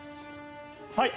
はい！